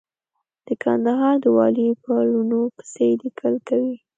د کندهار د والي په لوڼو پسې ليکل کوي.